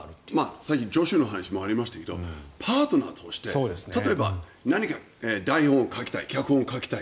さっき助手の話もありましたけどパートナーとして例えば、何か台本を書きたい脚本を書きたい。